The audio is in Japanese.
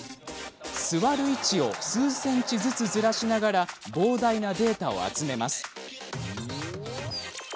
座る位置を数センチずつずらしながら膨大なデータを集めます。